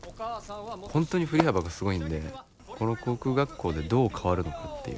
本当に振り幅がすごいんでこの航空学校でどう変わるのかっていう。